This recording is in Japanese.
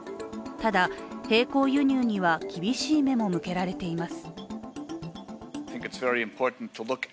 ただ、並行輸入には厳しい目も向けられています。